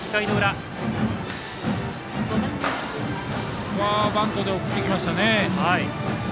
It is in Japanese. ここはバントで送ってきましたね。